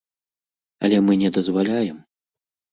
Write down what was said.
Але мы не дазваляем.